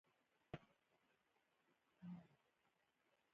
نه پر مځکه سیوری لرم، نه پر اسمان ستوری.